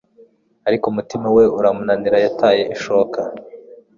Ariko umutima we uramunanira, yataye ishoka